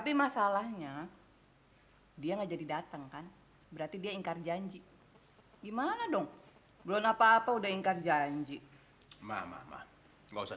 iya iya iya yuk kita beres beres dulu di kamar yuk